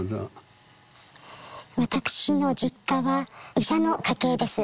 私の実家は医者の家系です。